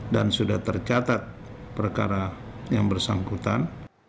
dan sudah tercatat perkara yang bersangkutan